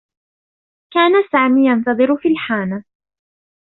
كان سامي ينتظر في الحانة.